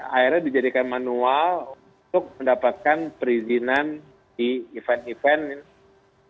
akhirnya dijadikan manual untuk mendapatkan perizinan di event event